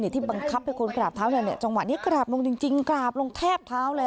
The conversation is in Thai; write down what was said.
ที่บังคับให้คนกราบเท้าจังหวะนี้กราบลงจริงกราบลงแทบเท้าเลย